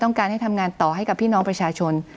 ต้องการให้ทำงานต่อให้กับพี่น้องประชาชน